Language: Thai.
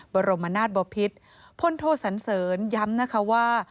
บรมนาศบพิษพลโทสันเสริญย้ำนะคะว่า